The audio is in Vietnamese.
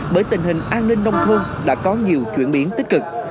bởi tình hình an ninh nông thôn đã có nhiều chuyển biến tích cực